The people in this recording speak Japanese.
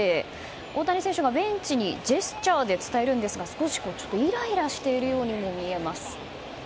大谷選手がベンチにジェスチャーで伝えるんですが少しイライラしているようにも見えます。